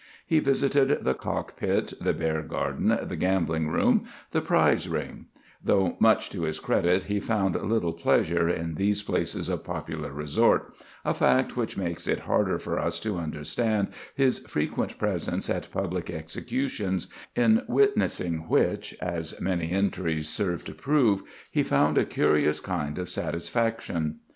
He visited the cockpit, the bear garden, the gambling room, the prize ring; though, much to his credit, he found little pleasure in these places of popular resort—a fact which makes it harder for us to understand his frequent presence at public executions, in witnessing which, as many entries serve to show, he found a curious kind of satisfaction.